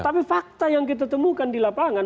tapi fakta yang kita temukan di lapangan